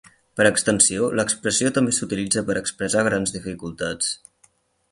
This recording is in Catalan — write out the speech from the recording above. Per extensió l'expressió també s'utilitza per expressar grans dificultats.